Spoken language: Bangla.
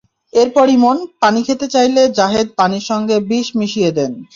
এরপর ইমন পানি খেতে চাইলে জাহেদ পানির সঙ্গে বিষ মিশিয়ে দেন।